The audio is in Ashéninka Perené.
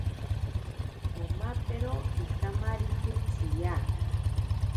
Omapero ikamaritzi tsiya.